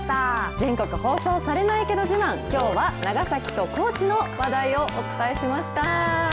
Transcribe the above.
全国放送されないけど自慢、きょうは、長崎と高知の話題をお伝えしました。